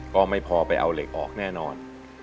ก็ไม่พอไปเอาเหล็กออกแน่นอน